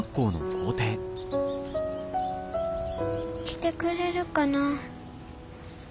来てくれるかな。